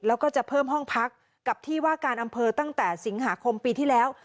แล้วก็จะเพิ่มห้องพักกับที่ว่าการอำเภอตั้งแต่สิงหาคมปีที่แล้ว